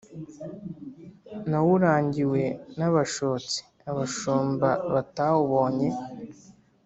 Nawurangiwe n’abashotsi, abashumba batawubonye.